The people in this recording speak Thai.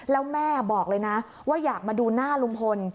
แล้วแม่บอกเลยนะว่าอยากมาดูหน้าลุงพล